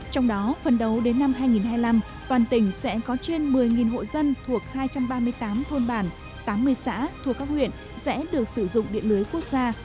trong đó phần đầu đến năm hai nghìn hai mươi năm toàn tỉnh sẽ có trên một mươi hộ dân thuộc hai trăm ba mươi tám thôn bản tám mươi xã thuộc các huyện sẽ được sử dụng điện lưới quốc gia